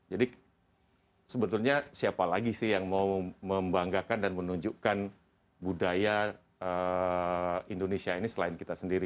jadi sebetulnya siapa lagi sih yang mau membanggakan dan menunjukkan budaya indonesia ini selain kita sendiri